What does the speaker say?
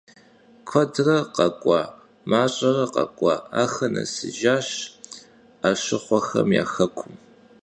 Kuedre khek'ua, maş'ere khek'ua, axer nesıjjaş 'eşıxhuexem ya xekum.